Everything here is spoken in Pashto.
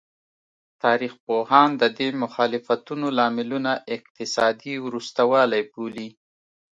تاریخ پوهان د دې مخالفتونو لاملونه اقتصادي وروسته والی بولي.